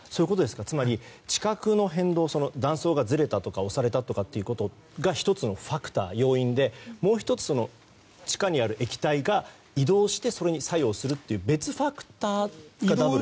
つまり地殻変動断層がずれたとか押されたとかというのが１つのファクター、要因でもう１つ、地下にある液体が移動してそれに作用するという別ファクターがダブルという。